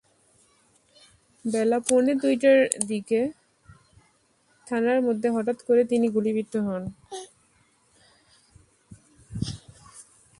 বেলা পৌনে দুইটার দিকে থানার মধ্যে হঠাৎ করে তিনি গুলিবিদ্ধ হন।